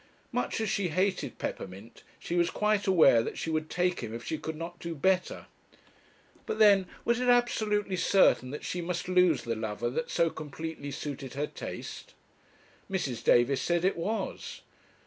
Much as she hated Peppermint, she was quite aware that she would take him if she could not do better. But then, was it absolutely certain that she must lose the lover that so completely suited her taste? Mrs. Davis said it was.